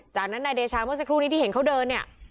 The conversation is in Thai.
จากนั้นนายเดชาที่เห็นเขาเดินเนี่ย